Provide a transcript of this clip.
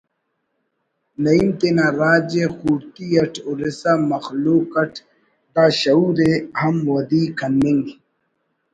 نعیم تینا راج ءِ خوڑتی اٹ ہُرسا مخلوق اٹ دا شعور ءِ ہم ودی کننگ